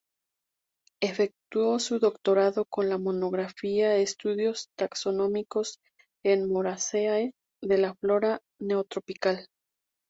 Efectuó su doctorado con la monografía "Estudios taxonómicos en "Moraceae" de la Flora Neotropical".